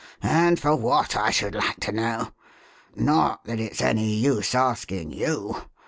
And for what, I should like to know? Not that it's any use asking you.